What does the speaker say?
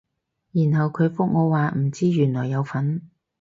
然後佢覆我話唔知原來有分